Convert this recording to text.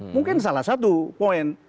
mungkin salah satu poin